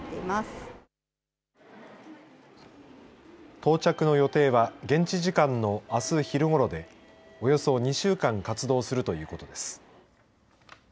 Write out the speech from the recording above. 到着の予定は現地時間のあす昼ごろでおよそ２週間活動するということです。